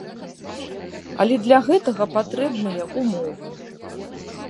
Але для гэтага патрэбныя ўмовы.